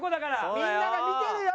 みんなが見てるよ！